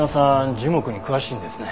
樹木に詳しいんですね。